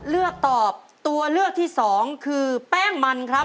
เลือกตอบตัวเลือกที่สองคือแป้งมันครับ